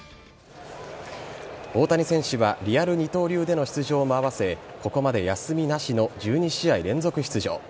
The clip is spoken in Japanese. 大谷選手はリアル二刀流での出場も合わせここまで休みなしの１２試合連続出場。